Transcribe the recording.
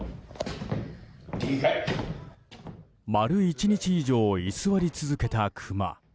丸１日以上居座り続けたクマ。